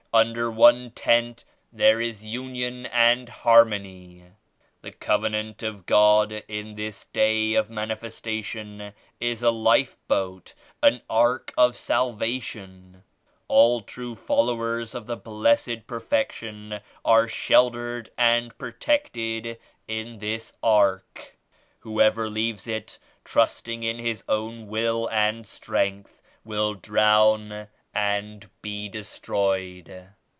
Under one Tent there is union and harmony. The Coven ant of God in this Day of Manifestation is a Life Boat, an Ark of Salvation. All true fol lowers of the Blessed Perfection are sheltered and protected in this Ark. Whoever leaves it trusting in his own will and strength will drown 49 and be destroyed.